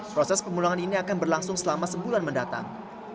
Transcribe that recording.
proses pemulangan ini akan berlangsung selama sebulan mendatang